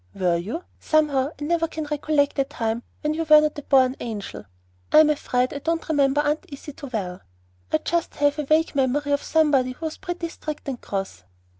"Were you? Somehow I never can recollect the time when you were not a born angel. I am afraid I don't remember Aunt Izzy well. I just have a vague memory of somebody who was pretty strict and cross."